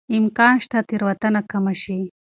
امکان شته تېروتنه کمه شي.